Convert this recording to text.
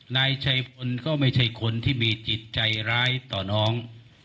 นายชัยพลก็ไม่ใช่คนที่มีจิตใจร้ายต่อน้อง